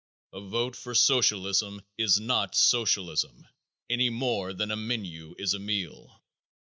A vote for socialism is not socialism any more than a menu is a meal.